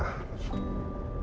aku juga gak bisa